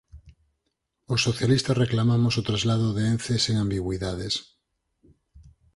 'Os socialistas reclamamos o traslado de Ence sen ambigüidades'